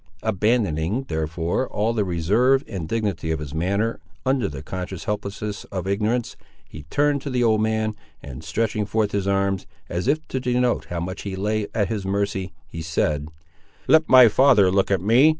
Abandoning, therefore, all the reserve and dignity of his manner, under the conscious helplessness of ignorance, he turned to the old man, and stretching forth his arms, as if to denote how much he lay at his mercy, he said— "Let my father look at me.